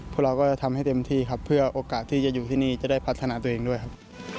พวกเราก็ทำให้เต็มที่ครับเพื่อที่ถ้าเราจะอยู่ที่นี่จะมีไลย์ของพัฒนาตัวเองด้วยครับ